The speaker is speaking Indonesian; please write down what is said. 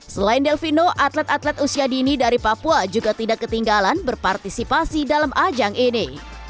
selain delvino atlet atlet usia dini dari papua juga tidak ketinggalan berpartisipasi dalam ajang ini